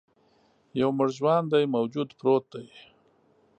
یو مړ ژواندی موجود پروت دی.